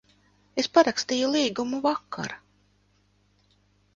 Es parakstīju līgumu vakar.